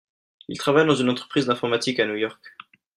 Il travaille dans une entreprise d'informatique à New York.